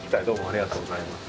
ありがとうございます。